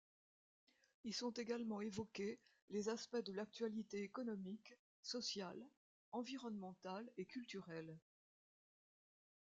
Y sont également évoqués les aspects de l'actualité économique, sociale, environnementale et culturelle.